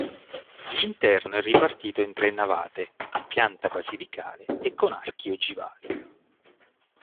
L'interno è ripartito in tre navate, a pianta basilicale, e con archi ogivali.